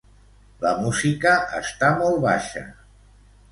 La música està molt baixa.